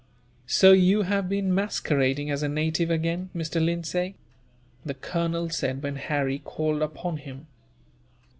"So you have been masquerading as a native again, Mr. Lindsay?" the colonel said, when Harry called upon him.